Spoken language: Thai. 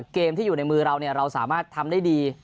เกมที่อยู่ในมือเราเราสามารถทำได้ดี